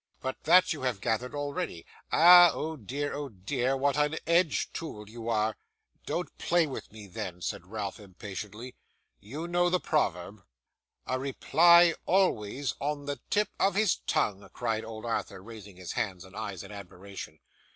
But that you have gathered already? Ah! oh dear, oh dear, what an edged tool you are!' 'Don't play with me then,' said Ralph impatiently. 'You know the proverb.' 'A reply always on the tip of his tongue!' cried old Arthur, raising his hands and eyes in admiration.